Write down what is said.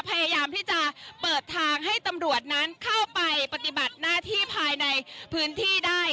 พยายามที่จะเปิดทางให้ตำรวจนั้นเข้าไปปฏิบัติหน้าที่ภายในพื้นที่ได้